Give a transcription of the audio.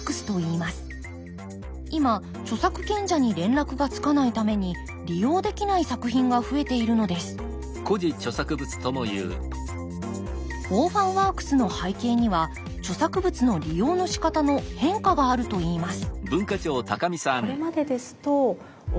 今著作権者に連絡がつかないために利用できない作品が増えているのですオーファンワークスの背景には著作物の利用のしかたの変化があるといいます